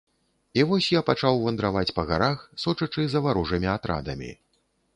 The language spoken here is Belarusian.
І вось я пачаў вандраваць па гарах, сочачы за варожымі атрадамі.